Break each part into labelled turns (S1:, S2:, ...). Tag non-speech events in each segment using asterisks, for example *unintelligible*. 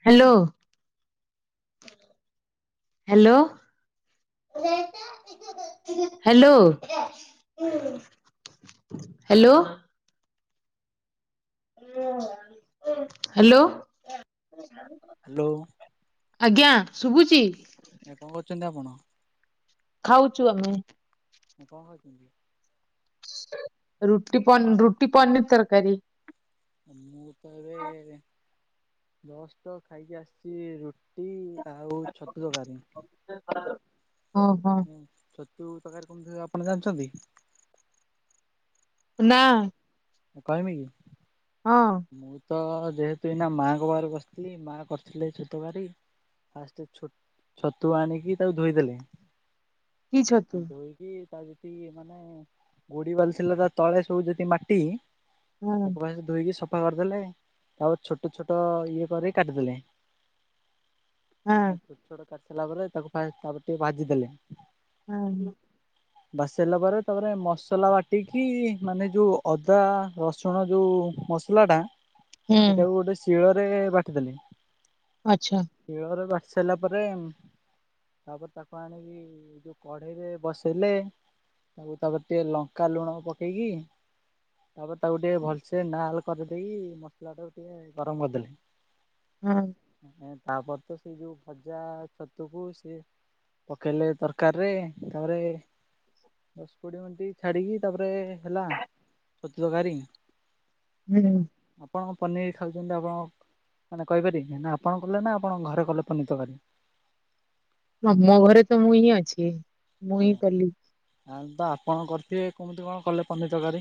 S1: Hello. Hello. Hello. Hello. Hello.
S2: Hello
S1: ଆଜ୍ଞା ଶୁଭୁଚି।
S2: କଣ କରୁଛନ୍ତି ଆପଣ?
S1: ଖାଉଚୁ ଆମେ।
S2: *unintelligible*
S1: ରୁଟି ପ ରୁଟି ପନିର ତରକାରୀ।
S2: *inaudible*
S1: *inaudible*
S2: ଜଷ୍ଟ ତ ଖାଇକି ଆସିଛି ରୁଟି ଆଉ ଛତୁ ତରକାରୀ।
S1: ଓହୋ
S2: ଛତୁ ତରକାରୀ କେମତି ହବ ଆପଣ ଜାଣିଛନ୍ତି?
S1: ନା।
S2: କହିମି କି?
S1: ହଁ ହଁ।
S2: ମୁଁ ତ ଯେହେତୁ ଏଇନା ମାଙ୍କ ପାଖରେ ବସିଥିଲି ମା କରିଥିଲେ ଛତୁ ତରକାରୀ। ଫାଷ୍ଟ ଛତୁ ଆଣିକି ତାକୁ ଧୋଇଦେଲେ।
S1: କି ଛତୁ
S2: ଧୋଇକି ତା ଯଦି ମାନେ ଗୋଡି ବାଲି ଥିଲା ତା ତଳେ ସବୁ ଯେତିକି ମାଟି
S1: ହଁ
S2: ତାକୁ ଫାଷ୍ଟ ଧୋଇକି ସ ସଫା କରିଦେଲେ। ତାକୁ ଛୋଟ ଛୋଟ ଇଏ କରିିକି କାଟିଦେଲେ।
S1: ହଁ
S2: ଛୋଟ ଛୋଟ କାଟି ଦେଲା ପରେ ତାକୁ ଫାଷ୍ଟ୍ ତାପରେ ଟିକେ ଭାଜିଦେଲେ।
S1: ହୁଁ ହୁଁ।
S2: ଭାଜି ସାରିଲା ପରେ ତାପରେ ମସଲା ବାଟିକି ମାନେ ଯୋଉ ଅଦା ରସୁଣ ଯୋଉ ମସ ଲା ଟା
S1: ହୁଁ
S2: ସେଟାକୁ ଗୋଟେ ଶିଳରେ ବାଟି ଦେଲେ।
S1: ଆଚ୍ଛା
S2: ଶିଳରେ ବାଟି ସାରିଲା ପରେ ତାପରେ ତାକୁ ଆଣିକି ଯୋଉ କଢେଇରେ ବସେଇଲେ। ତାକୁ ତାପରେ ଟିକେ ଲଙ୍କା ଲୁଣ ପକେଇକି ତାପରେ ତାକୁ ଟିକେ ଭଲସେ ନାଲ କରିଦେଇକି ମସଲା ଟାକୁ ଟିକେ ଗରମ କରିଦେଲେ।
S1: ହଁ।
S2: ତାପରେ ତ ସେଇ ଯୋଉ ଭଜା ଛତୁକୁ ସେ ପକେଇଲେ ତରକାରି ରେ ତାପରେ। ଦଶ କୋଡିଏ ମିନିଟ ଛାଡିକି ତାପରେ ହେଲା ଛତୁ ତକାରୀ।
S1: ହୁଁ।
S2: ଆପଣ ପନିର ଖାଉଛନ୍ତି ଆପଣ। ମାନେ କହିପାରି ବେ କି ନା ଆପଣ କଲେ ନା ଆପଣଙ୍କ ଘରେ କଲେ ପନୀର ତକାରି।
S1: ମ ମୋ ଘରେ ତ ମୁଁ ହିଁ ଅଛି ମୁଁ ହିଁ
S2: ଆଜ୍ଞା
S1: କଲି।
S2: ତାହେଲେ ତ ଆପଣ କରିଥିବେ କେମିତି କଣ କଲେ ପନିରି ତକାରୀ।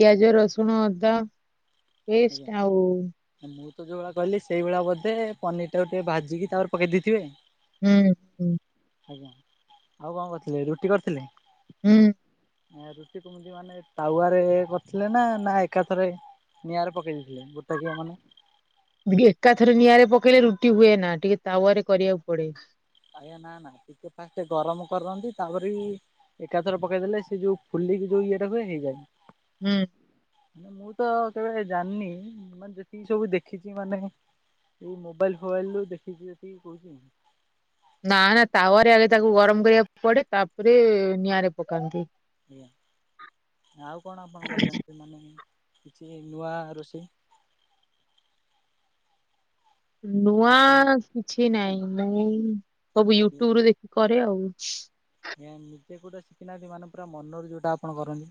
S1: ପିଆଜ ରସୁଣ ଅଦା
S2: ଆଜ୍ଞା
S1: ପେଷ୍ଟ ଆଉ।
S2: ମୁଁ ତ ଯୋଉ ଭଳିଆ କହିଲି ସେଇ ଭଳିଆ ବୋଧେ ପନିର ଟାକୁ ଟିକେ ଭାଜିକି ତାପରେ ପକେଇ ଦେଇଥିବେ।
S1: ହୁଁ ହୁଁ।
S2: ଆଜ୍ଞା ଆଉ କଣ କରିଥିଲେ ରୁଟି କରିଥିଲେ।
S1: ହୁଁ।
S2: ରୁଟି କମତି ମାନେ ତାୱା ରେ କରିଥିଲେ ନା ନା ଏକାଥରେ ନିଆଁରେ ପକେଇ। ଦେଇଥିଲେ ଗୋଟାକିଆ ମାନେ
S1: ଏକାଥରେ ନିଆଁରେ ପ ପକେଇିଲେ ରୁଟି ହୁଏ ନା ଟିକେ ତାୱରେ କରିବାକୁ ପଡେ।
S2: ଆଜ୍ଞା ନା ନା ଟିକେ ଫାଷ୍ଟ ଗରମ କରନ୍ତି ତାପରି ଏକା ତୁହରେ ପକେଇଦେଲେ ସେ ଯୋଉ ଫୁ ଲିକି ଜୋଉ ଇଏ ଟା ହୁଏ ହେଇଯାଏ।
S1: ହୁଁ।
S2: ମାନେ ମୁଁ ତ କେବେ ଜାଣିନି ମାନେ ଯେତିକି ସବୁ ଦେଖିଛି ମାନେ। ଏଇ ମୋବାଇଲ ଫୋବାଇଲ ରୁ ଦେଖିଛି ଯେତିକି କହୁଛି।
S1: ନା ନା ତାୱା ରେ ଆଗେ ତାକୁ ଗରମ କରିବାକୁ ପଡେ ତାପରେ ନିଆଁରେ ପକାନ୍ତି।
S2: ଆଜ୍ଞା ଆଉ କଣ ଆପଣ କରି ଜାଣନ୍ତି ମାନେ। କିଛି ନୂଆ ରୋଷେଇ।
S1: ନୂଆ କିଛି ନାଇଁ ମୁଁ ସବୁ ୟୁଟ୍ୟୁବ ରୁ ଦେଖି କରେ। ପଡେ ଆଉ।
S2: ଜ୍ଞା ନିଜେ କୋଉଟା ଶିଖିନାହାନ୍ତି ମାନେ ପୁରା ମନରୁ ଯୋଉଟା ଆପଣ କରନ୍ତି।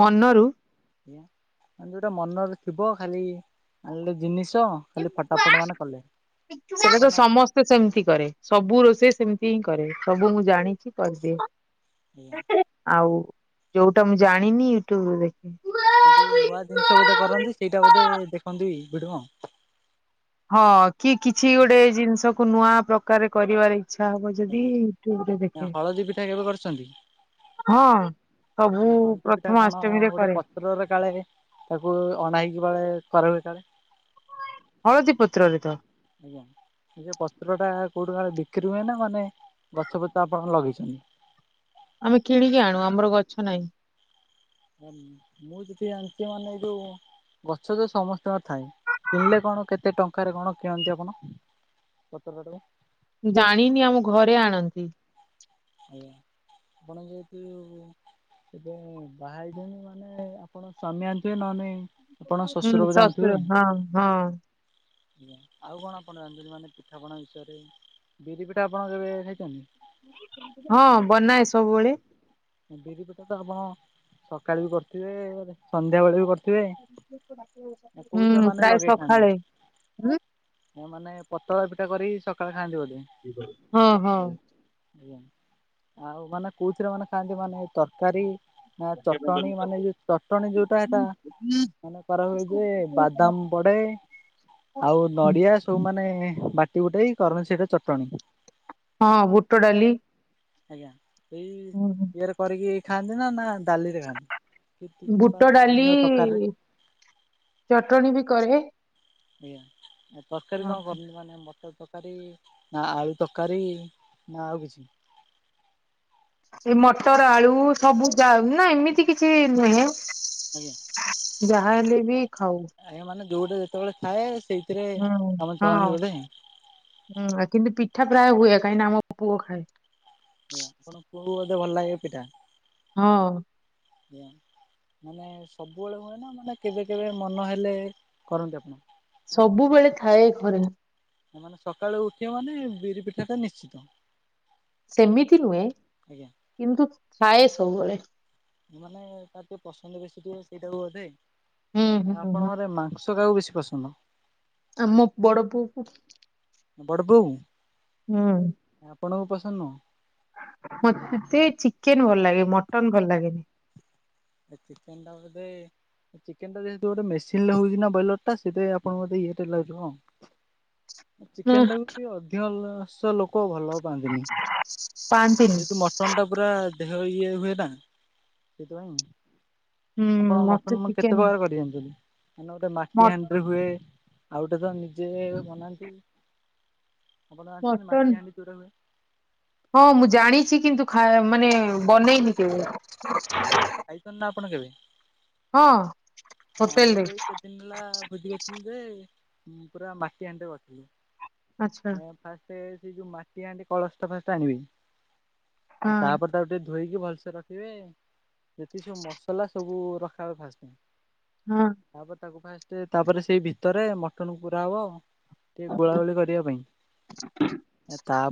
S1: ମନରୁ।
S2: ଆଜ୍ଞା ଯୋଉଟା ମନରେ ଥିବ ଖାଲି ଆଣି ଲେ ଜିନିଷ। ଖାଲି ଫଟାଫଟ ମାନେ କଲେ କେବେ
S1: ସେଇଟା ତ
S2: କରିନାହାନ୍ତି
S1: ସମସ୍ତେ ସେମିତି କରେ ସବୁ ରୋଷେଇ। ସେମିତି ହିଁ କରେ ସବୁ ମୁଁ ଜାଣିଛି
S2: ଆଜ୍ଞା
S1: କରିଦିଏ ଆଉ। ଯୋଉଟା ମୁଁ ଜାଣିନି ୟୁଟ୍ୟୁବରୁ ଦେଖି।
S2: ଏ ଯୋଉ ନୂଆ ଜିନିଷ ବୋଧେ କରନ୍ତି ସେଇଟା ବୋଧେ ଦେଖନ୍ତିୁ ଭିଡିଓ।
S1: ହଁ କି କିଛି ଗୋଟେ ଜିନିଷକୁ ନୂଆ ପ୍ରକାରରେ କରିବାରେ। ଇଛା ହବ ଯଦି
S2: ଆଜ୍ଞା
S1: ୟୁଟ୍ୟୁବରେ ଦେଖେ
S2: ହଳଦୀ ପିଠା କେବେ
S1: ହଁ। ସବୁ
S2: ହଳଦି ପିଠା କଣ
S1: ପ୍ରଥମାଷ୍ଟମୀରେ
S2: ଗୋଟେ
S1: କରେ।
S2: ପତ୍ରରେ କାଳେ ତାକୁ ଅଣା ହେଇକି କାଳେ। କରା ହୁଏ କାଳେ।
S1: ହଳଦୀ ପତ୍ରରେ ତ।
S2: ଆଜ୍ଞା। ସେ ଯୋଉ ପତ୍ର ଟା କୋଉଠି କାଳେ ବିକ୍ରି ହୁଏ ନା ମାନେ ଗଛପତ୍ର ଆପଣ ଲଗେଇଛନ୍ତି।
S1: ଆମେ କିଣିକି ଆଣୁ ଆମର ଗଛ ନାହିଁ।
S2: ନାଁଇ ମୁଁ ଯେତିକି ଜାଣିଛି ମାନେ ଏ ଯୋଉ। ଗଛ ତ ସମସ୍ତଙ୍କ ର ଥାଏ କିଣିଲେ କଣ କେତେ ଟଙ୍କାରେ କଣ କିଣନ୍ତି ଆପଣ। ପତର ରେ।
S1: ଜାଣିନି ଆମ ଘରେ ଆଣନ୍ତି।
S2: ଆଜ୍ଞା ଆପଣ ଯେହେତୁ। ଏବେ ବାହା ହେଇଛନ୍ତି ମାନେ ଆପଣ ସ୍ୱାମୀ ଆଣୁଥିବେ ନ ନାଇ। ଆପଣ
S1: ହୁଁ
S2: ଶ୍ୱଶୁର ବୋଧେ ଆଣୁ
S1: ଶଶୁର
S2: ଥିବେ।
S1: ହଁ ହଁ।
S2: ଆଜ୍ଞା ଆଉ କଣ ଆପଣ ଜାଣିଛନ୍ତି ମାନେ ପିଠାପଣା ବିଷୟରେ ବିରି ପିଠା ଆପଣ କେବେ ଖାଇଛନ୍ତି।
S1: ହଁ ବନାଏ ସବୁବେଳେ।
S2: ବିରି ପିଠା ତ ଆପଣ ସକାଳେ ବି କରିଥିବେ ସନ୍ଧ୍ୟା ବେଳେ ବି କରିି ଇଏ କୋଉ ଠି
S1: ହୁଁ
S2: ମାନେ
S1: ପ୍ରାୟ
S2: ଲଗେଇଥାନ୍ତି
S1: ସକାଳେ ହୁଁ
S2: ଏମାନେ ପତଳା ପିଠା କରି ସକାଳେ ଖାଆନ୍ତି ବୋଧେ।
S1: ହଁ ହଁ।
S2: ଆଜ୍ଞା ଆଉ ମାନେ କୋଉଥିରେ ମାନେ ଖାଆନ୍ତି ମାନେ ତରକାରୀ ନା ଚଟଣୀ ମାନେ ଯୋଉ ଚଟଣୀ ଯୋଉଟା ଏଟା ମାନେ କରା ହୁଏ ଯେ ବାଦାମ ପଡ଼େ ଆଉ ନଡିଆ ସବୁ ମାନେ ବାଟି ଗୋଟେଇ କରନ ସେଇଟା। ଚଟଣି
S1: ହଁ ବୁଟ ଡାଲି।
S2: ଆଜ୍ଞା ଏଇ ଇଏରେ କରିକି ଖାଆନ୍ତି ନା ନା ଡାଲିରେ ଖାଆନ୍ତି କି କି କିମ୍ବା ଅନ୍ୟ ପ୍ରକାରରେ
S1: ଚଟଣୀ ବି କରେ।
S2: ଆଜ୍ଞା ଆ ତରକାରୀ
S1: ହଁ
S2: କଣ କରନ୍ତି ମାନେ ମତ ତରକାରୀ ନା ଆଳୁ ତରକାରୀ ନା ଆଉ କିଛି?
S1: ଏ ମଟର ଆଳୁ ସବୁ ଯାଉନି ନା ଏମିତି କିଛି ନୁହେଁ।
S2: ଆଜ୍ଞା
S1: ଯାହା ହେଲେ ବି ଖାଉ
S2: ଯୋଉଟେ ଯେତେବେଳେ ଥାଏ ସେଇଥିରେ
S1: ହୁଁ
S2: କାମ
S1: ହଁ
S2: ଚଳାନ୍ତି ବୋଧେ
S1: ହଁ କିନ୍ତୁ ପି ମିଠା ପ୍ରାୟ ହୁଏ କାଇଁକିନା ଆମ ପୁଅ ଖାଏ।
S2: ଆଜ ଆପଣଙ୍କ ପୁଅ ବୋଧେ ଭଲ ଲାଗେ ପିଠା।
S1: ହଁ।
S2: ହୁଁ। ମାନେ ସବୁବେଳେ ହୁଏ ନା ମାନେ କେବେ କେବେ ମନ ହେଲେ କରନ୍ତି ଆପଣ?
S1: ସବୁବେଳେ ଥାଏ ଘରେ।
S2: ମାନେ ସକାଳୁ ଉଠିବ ମାନେ ବିରି ପିଠା ଟା ନିଶ୍ଚିତ।
S1: ସେମିତି ନୁହେଁ
S2: ଆଜ୍ଞା
S1: କିନ୍ତୁ ଥାଏ ସବୁବେଳେ।
S2: ମାନେ ତା ଟିକେ ପସନ୍ଦ ବେଶୀ ଟିକେ ସେଇଟାକୁ ବଧେ
S1: ହୁଁ
S2: ଆ
S1: ହୁଁ ହୁଁ
S2: ଆପଣଙ୍କର ମାଂସ ଟା ବେଶି ପସନ୍ଦ।
S1: ଆମ ବଡ ପୁଅ କୁ
S2: ବଡ଼ବଉ।
S1: ହଁ।
S2: ଆପଣଙ୍କୁ ପସନ୍ଦ ନୁହ?
S1: ମତେ ତେ ଚିକେନ ଭଲ ଲାଗେ ମଟନ ଭଲ ଲାଗେନି।
S2: ଚିକେନ ଟା ବୋଧେ ଚିକେନ ଟା ଯେ ହେତୁ ଗୋଟେ ମେସିନରେ ହେଉଚି ନା ବ୍ରଏଲର ଟା ସେଥି ପାଇଁ ଆପଣ ମତେ ଇଏ ଟେ ଲାଗୁଥିବ। ଚିକେନଟାକୁ ଟିକେ ଅଧିକାନ୍ ସ ଲୋକ। ଲୋକ ଭଲ ପାଆନ୍ତି ନି
S1: ପାଆନ୍ତିନି
S2: ଯେହେତୁ ମଟନ ଟା ପୁରା ଦେ ଯୋଉ ଇଏ ହୁଏ ନା ସେଥିପାଇଁ।
S1: ହୁଁ
S2: ଆପଣ
S1: ମତେ
S2: ମଟନ କେତେ
S1: ଚିକେନ
S2: ପ୍ରକାର କରି ଜାଣିଚନ୍ତି, ମାନେ ଗୋଟେ ମାଟି
S1: ମ
S2: ହାଣ୍ଡିରେ ହୁଏ। ଆଉ ଗୋଟେ ତ ନିଜେ ବନାନ୍ତି। ଆପଣ ଜାଣିଚନ୍ତି
S1: ମଟନ
S2: ମାଟିହାଣ୍ଡି ଯୋଉଟା ହୁଏ।
S1: ହଁ ମୁଁ ଜାଣିଚି କିନ୍ତୁ ଖାଇ ମାନେ ବନେଇନି କେବେ।
S2: ଖାଇଚନ୍ତି ନା ଆପଣ କବେ?
S1: ହଁ।
S2: ଏ ଆମେ
S1: ହୋଟେଲରେ
S2: ତ ଏଇ କେତେ ଦିନ ହେଲା ଭୋଜି କରିଥିଲୁ ଯେ ପୁରା ମାଟିହାଣ୍ଡିରେ କରିଥିଲୁ।
S1: ଆଚ୍ଛା
S2: ମୁଁ ଫାଷ୍ଟରେ ସେ ଯୋଉ ମାଟିହାଣ୍ଡି କଳସ ଟା ଫାଷ୍ଟ ଆଣିଲି।
S1: ହଁ
S2: ତାପରେ ତାକୁ ଟିକେ ଧୋଇକି ଭଲସେ ରଖିବେ ଯେତିିକି ସବୁ ମସଲା ସବୁ ରଖା ହବ ଫାଷ୍ଟେ
S1: ହଁ
S2: ତାପରେ ତାକୁ ଫାଷ୍ଟ ତାପରେ ସେଇ ଭିତରେ ମଟନ ପୁରା ହବ, ଟିକେ ଗୋଳା ଗୋଳି କରିବା ପାଇଁ।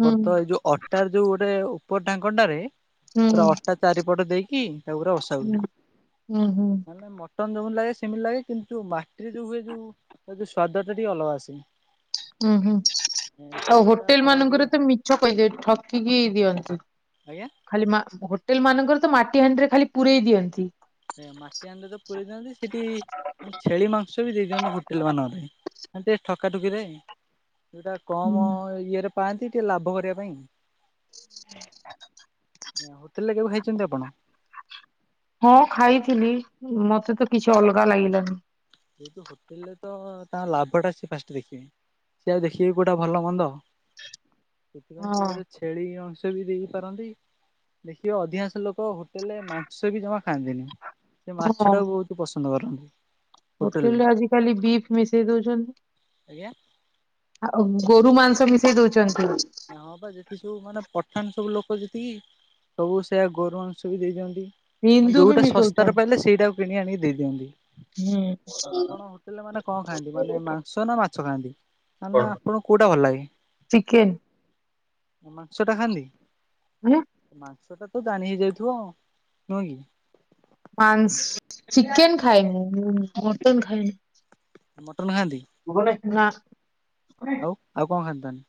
S1: ହୁଁ
S2: ତ ଏଇ ଯୋଉ ଅଟାରେ ଯଉ ଗୋଟେ ଉପର ଢାଙ୍କନଟାରେ
S1: ହୁଁ
S2: ପୁରା ଅଟା ଚାରିପଟ ଦେଇକି ତାକୁ ପୁରା ବସାହୁଏ,
S1: ହୁଁ ହୁଁ
S2: ମାନେ ମଟନ ମଟନ ଯେମିତି ଲାଗେ ସେମିତି ଲାଗେ କିନ୍ତୁ ମାଟିରେ ଯୋଉ ହୁଏ ଯୋଉ ତାର ଯୋଉ ସ୍ଵାଦ ଟା ଟିକେ ଅଲଗା ଆସେ।
S1: ହୁଁ, ହୁଁ, ଆଉ
S2: ଏତିକି ତା
S1: ହୋଟେଲ
S2: ଫରକ ଟିକେ
S1: ମାନଙ୍କରେ ତ ମିଛ କହିଦିଅ ଠକି କି ଦିଅନ୍ତି।
S2: ଆଜ୍ଞା
S1: ଖାଲି ମା ହୋଟେଲ ମାନଙ୍କର ତ ମାଟି ହାଣ୍ଡିରେ ଖାଲି ପୁରେଇ ଦିଅନ୍ତି।
S2: ଏ ମାଟିହାଣ୍ଡି ତ ପୁରେଦିଅନ୍ତି ସେଠି ମାନେ ଛେଳି ମାଂସ ବି ଦେଇଦିଅନ୍ତି ହୋଟେଲ ମାନଙ୍କ ପାଇଁ। ମାନେ ଟିକେ ଠକ ଠକାଠୁକିରେ ଯୋଉଟା କମ ଇଏରେ ପାଆନ୍ତି ଟିକେ ଲାଭ କରିବା ପାଇଁ। ହୋଟେଲରେ କେବେ ଖାଇଛନ୍ତି ଆପଣ?
S1: ହଁ, ଖାଇଥିଲି ମତେ ତ କିଛି ଅଲଗା ଲାଗିଲାନି।
S2: ଯେହେତୁ ହୋଟେଲରେ ତ ତାଙ୍କ ଲାଭ ଟା ସେ ଫାଷ୍ଟ ଦେଖିବେ। ସିଏ ଆଉ ଦେଖିବ କୋଉଟା ଭଲ ମନ୍ଦ, ସେଥିପାଇଁ ସିଏ
S1: ହଁ
S2: ବୋଧ ଛେଳି ଅଶଂ ବି ଦେଇପାରନ୍ତି ଦେଖିବେ ଅଧିକାଂଶ ଲୋକ ହୋଟେଲରେ ମାଂସ ବି ଜମା ଖାଆନ୍ତିନି। ସେ ମାଛଟାକୁ ବହୁତ ପସନ୍ଦ କରନ୍ତି।
S1: ହୋଟେଲ
S2: ହୋଟେଲରେ।
S1: ରେ ଆଜିକାଲି ବିଫ୍ ମିଶେଇ ଦଉଛନ୍ତି।
S2: ଆଜ୍ଞା।
S1: ଆଉ ଗୋରୁ ମାଂସ ମିଶେଇ ଦଉଛନ
S2: ହଁ, ପା ଯେତିକି ସବୁ ମାନେ ପଠାନ ସବୁ ଲୋ କ ଯେତିକି ସବୁ ସେଇଆ ଗୋରୁ ମାଂସ ବି ଦେଇଦିଅନ୍ତି। ମାନେ
S1: ହିନ୍ଦୁ ବି
S2: ଯୋଉଟା ଶସ୍ତାରେ
S1: ମିଶଉଛନ୍ତି।
S2: ପାଇଲେ ସେଇଟା କିଣିଆଣିକି ଦେଇଦିଅନ୍ତି। ଆପଣ ହୋଟେଲରେ ମାନେ କଣ ଖାଆନ୍ତି ମାନେ ମାଂସ ନା ମା ଛ ଖାଆନ୍ତି ମାନେ ଆପଣଙ୍କୁ କୋଉଟା ଭଲ ଲାଗେ?
S1: ଚିକେନ୍।
S2: ମାଂସ ଟା ଖାଆନ୍ତି
S1: ମାନେ
S2: ମାଂସ ଟା ତ ଜାଣି ହେଇଯାଉଥିବ ନୁହେଁ କି?
S1: ମାଂସ ଚିକେନ ଖାଇନି ମଟନ ଖାଏ।
S2: ମଟନ ଖାଆନ୍ତି?
S1: ନା।
S2: ଆଉ ଆଉ କ'ଣ ଖାଆନ୍ତି ତାହେଲେ?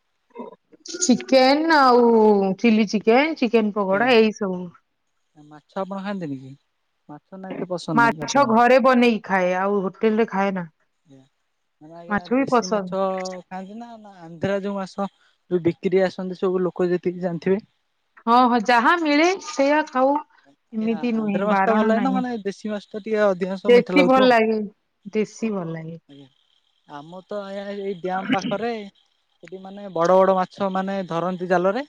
S1: ଚିକେନ ଆଉ ଚିଲିଚିକେନ, ଚି
S2: ଆଜ୍ଞା, ମାଛ ଆପଣ ଖାଆନ୍ତିନି କି? ମାଛ ନା ଏତେ ପସନ୍ଦ ନାହିଁ
S1: ମାଛ
S2: ଆପଣଙ୍କର?
S1: ଘରେ ବନେଇକି ଖାଏ ଆଉ ହୋଟେଲରେ ଖାଏନା।
S2: ଆଜ୍ଞା, ଆଜ୍ଞା, ଦେଶୀ ମାଛ ଖାଆନ୍ତିନା ନା ଆନ୍ଧ୍ରା ଯୋଉ ମାଛ ଯୋଉ ବିକ୍ରି ଆସନ୍ତି ସବୁଲୋକ ଯେତିକି ଜାଣିଥିବେ।
S1: ହଁ, ହଁ, ଯାହା ମିଳେ ସେଇୟା ଖାଉ।
S2: ଆଜ୍ଞା
S1: ଏମିତି ନୁହେଁ
S2: ଆନ୍ଧ୍ର ମାଛ ଟା ଭଲ
S1: ବାରଣ
S2: ଲାଗେ ନା
S1: ନାହିଁ
S2: ମାନେ ଦେଶୀ ମାଛ ଟା ଟିକେ ଅଧିକାଂଶ ମିଠା
S1: ବେଶୀ ଭଲ
S2: ଲାଗୁଥିବ
S1: ଲାଗେ ଦେଶୀ କି ଭଲ ଲାଗେ।
S2: ଆଜ୍ଞା। ଆମ ତ ଆଜ୍ଞା ଏଇ ଡ୍ୟାମ ପାଖରେ ସେଠି ମାନେ ବଡ ବଡ ମାଛ ମାନେ ଧର ଜାଲରେ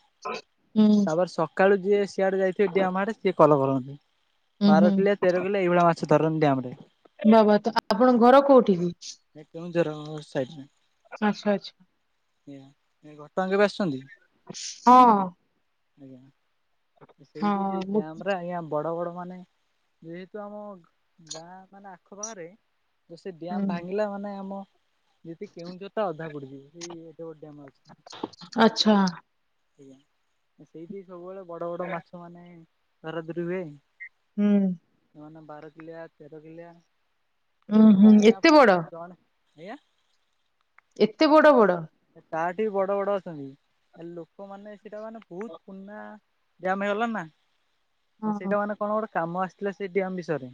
S1: ହୁଁ
S2: ତାପରେ ସକାଳୁ ଯିଏ ସିଆଡେ ଯାଇଥିବେ ଡିଆାମ ଆଡେ ସିଏ କଲ କରନ୍ତି।
S1: ହୁଁ
S2: ବାର
S1: ହୁଁ
S2: କିଲେ ତେର କିଲେ ଏଇଭଳିଆ ମାଛ ଧରନ୍ତି ଡ୍ୟାମରେ।
S1: ବାବା ତ ଆପଣଙ୍କ ଘର କୋଉଠିକି?
S2: ନିଜର ସାଇଡରେ।
S1: ଆଚ୍ଛା, ଆଚ୍ଛା।
S2: ଏ ଘଟଙ୍ଗା କେବେ ଆସିୁଛନ୍ତି?
S1: ହଁ।
S2: ଆଜ୍ଞା,
S1: ହଁ
S2: ସେଇଠି ସେଇ
S1: ମୁଁ
S2: ଡ୍ୟାମରେ ଆଜ୍ଞା ବଡ ବଡ ମାନେ ଯେହେତୁ ଆମ ଗାଁ ମାନେ ଆଖପାଖରେ ଯଦି ସେ
S1: ହୁଁ।
S2: ଡ୍ୟାମ ଭାଙ୍ଗିଲା ମାନେ ଆମ ଯିଦି କେଉଁଝର ଟା ଅଧା ବୁଡିଯିବ ଏଇ ଏଡେ ବଡ ଡ୍ୟାମ ଅଛି।
S1: ଆଚ୍ଛା
S2: ଆଜ୍ଞା, ସେଇଠି ସବୁବେଳେ ବଡ ବଡ ମାଛ ମାନେ ଧରାଧରି ହୁଏନି।
S1: ହୁଁ।
S2: ମାନେ ବାର କିିଲିଆ ତେର କିିଲିଆ।
S1: ହୁଁ, ହୁଁ, ଏତେ ବଡ?
S2: ଆଜ୍ଞା?
S1: ଏତେ ବଡ ବଡ
S2: ତାଠୁ ବି ବଡ ବଡ ଅଛନ୍ତି। ଆ ଲୋକମାନେ ସେଟା ମାନେ ବହୁତ ପୁରୁଣା ଡ୍ୟାମ ହେଇଗଲା ନା।
S1: ହଁ
S2: ସେଇଟା ମାନେ କଣ ଗୋଟେ କାମ ଆସିଥିଲା ସେଇ ଡ୍ୟାମ ବିଷୟରେ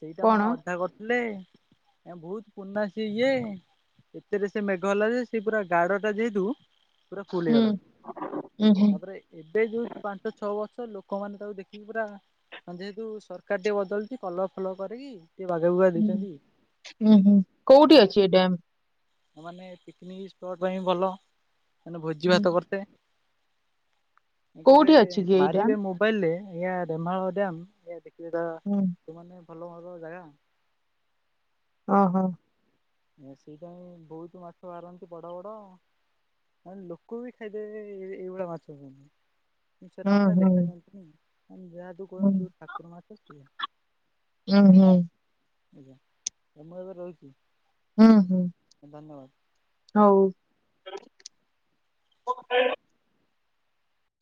S2: ସେଇଟା
S1: କଣ?
S2: ମାନେ ଅଧା କରୁଥିଲେ। ଏ ଭହୁତ ପୁର୍ଣ୍ଣା ସେ ଏତେରେ ସେ ମ *unintelligible* ଗଲା ଯେ ସେ ପୁରା ଗାଡ ଟା ଯେଇହେତୁ ପୁରା ଫୁଲ୍
S1: ହୁଁ
S2: ହେଇଗଲା
S1: ଉଁ ହୁଁ
S2: ତାପରେ ଏବେ ଯୋଉଠି ପାଞ୍ଚ ଛଅ ବର୍ଷ ତ ଲୋକମାନେ ତାକୁ ଦେଖିକି ପୁରା ଯେହେତୁ ସରକାର ଟିକେ ବଦଳିଚିଛି କଲର ଫଲର କରିକି ଟିକେ ବାଗେଇ ବୁଗା ଦେଇଛନ୍ତି
S1: ହୁଁ ହୁଁ କୋଉଠି
S2: ମାନେ
S1: ଅଛି ଏ ଡ୍ୟମ୍?
S2: ମାନେ ପିକନିକ ସ୍ପଟ ଯାଏ ଗଲ ମାନେ ଭୋଜି
S1: ହୁଁ
S2: ଭାତ କରୁଥିଲେ। କେବେ
S1: କୋଉଠି ଅଛି କି ଏଇ ଡ୍ୟାମ୍?
S2: ମାରିବେ ମୋବାଇଲରେ ଏ ଦେମାଳ ଡ୍ୟାମ ଦେଖେଇବ। ସେଟା
S1: ହୁଁ
S2: ତମାନେ ଭଲ ଭବ ଜାଗା।
S1: ଓ ହୋ
S2: ସେଇପାଇଁ ବହୁତ ମାଛ ବାହାରନ୍ତି ବଡ ବଡ ଆ ଲୋକ ବି ଖାଇଦେବେ ଏଇଭଳିଆ ମାଛ
S1: ହୁଁ
S2: ସେଟା ମାନେ
S1: ହୁଁ
S2: ଦେଖାଯାଉଛନ୍ତି ଯାହାତୁ କହିଲୁ ଠାକୁର ମାଛ ସେଇଆ
S1: ହଁ ହୁଁ।
S2: ଆଜ୍ଞା ମୁଁ ଏବେ ରହିଛି।
S1: ହଁ ହଁ।
S2: ଧନ୍ୟବାଦ।
S1: ହଉ।